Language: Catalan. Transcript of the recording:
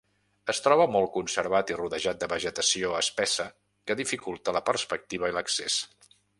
Es troba molt conservat i rodejat de vegetació espessa que dificulta la perspectiva i l'accés.